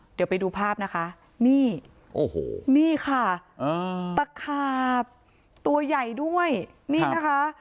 เดี๋ยวไปดูภาพนะคะนี่โอ้โหนี่ค่ะตะขาบตัวใหญ่ด้วยนี่นะคะ